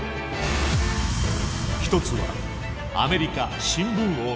一つはアメリカ新聞王のデマ。